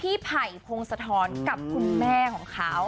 พี่ไผ่โพงสะท้อนกับคุณแม่ของเขา